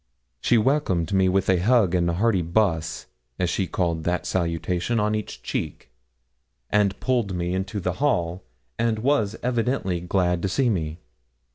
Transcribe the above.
She welcomed me with a hug and a hearty buss, as she called that salutation, on each cheek, and pulled me into the hall, and was evidently glad to see me.